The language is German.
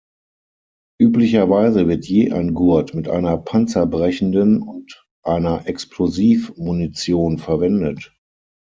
Üblicherweise wird je ein Gurt mit einer panzerbrechenden und einer Explosiv-Munition verwendet.